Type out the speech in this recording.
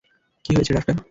কী হয়েছে, ডাক্তার?